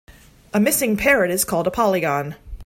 A missing parrot is called a polygon.